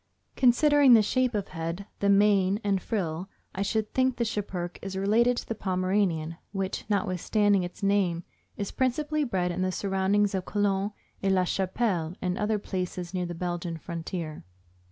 Considering the shape of head, the mane and frill, I should think the Schipperke is related to the Pomeranian, which, notwithstanding its name, is principally bred in the surroundings of Cologne, Aix la Chapelle, and other places near the Belgian frontier.